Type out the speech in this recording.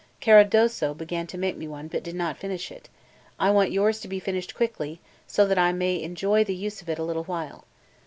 Caradosso began to make me one, but did not finish it; I want yours to be finished quickly, so that I may enjoy the use of it a little while.